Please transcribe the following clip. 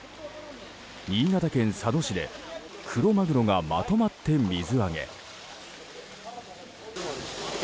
新潟県佐渡市でクロマグロがまとまって水揚げ。